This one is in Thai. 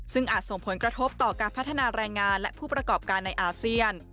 ซึ่งอาจส่งผลกระทบต่อการพัฒนาแรงงานและผู้ประกอบการในอาเซียน